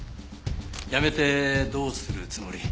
辞めてどうするつもり？